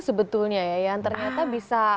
sebetulnya ya yang ternyata bisa